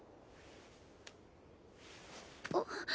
あっ。